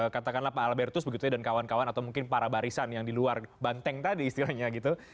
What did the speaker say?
katakanlah pak albertus begitu ya dan kawan kawan atau mungkin para barisan yang di luar banteng tadi istilahnya gitu